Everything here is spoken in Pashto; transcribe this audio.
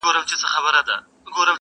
اور به یې سبا د شیش محل پر لمن وګرځي،